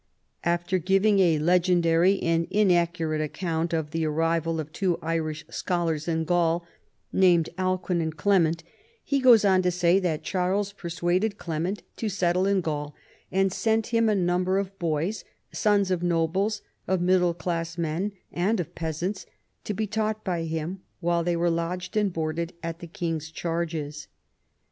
After giving a legendary and inaccurate account of the arrival of two Irish scholars in Gaul, named Alcuin and Clement, he goes on to say that Charles persuaded Clement to settle in Gaul, and sent him a number of boys, sons of nobles, of middle class men and of peas ants, to be taught b} " him, while they were lodged and boarded at the king's charges.